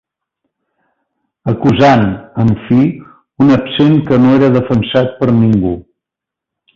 Acusant, en fi, un absent que no era defensat per ningú.